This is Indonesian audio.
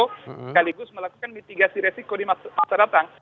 sekaligus melakukan mitigasi resiko di masa datang